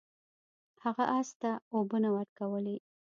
هغه اس ته اوبه نه ورکولې.